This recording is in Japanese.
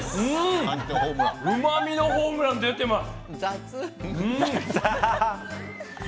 うまみのホームラン出ています。